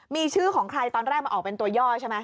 มีชื่อของใครตอนแรกมาออกเป็นตัวย่อใช่ไหม